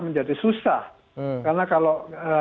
menjadi susah karena kalau